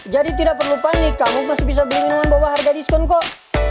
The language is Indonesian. jadi tidak perlu panik kamu masih bisa beli minuman bawah harga diskon kok